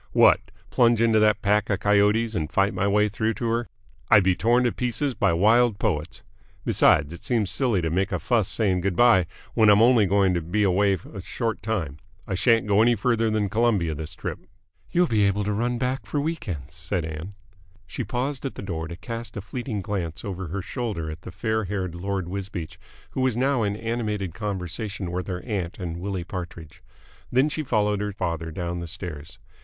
"What! Plunge into that pack of coyotes and fight my way through to her! I'd be torn to pieces by wild poets. Besides, it seems silly to make a fuss saying good bye when I'm only going to be away a short time. I shan't go any further than Colombia this trip." "You'll be able to run back for week ends," said Ann. She paused at the door to cast a fleeting glance over her shoulder at the fair haired Lord Wisbeach, who was now in animated conversation with her aunt and Willie Partridge; then she followed her father down the stairs.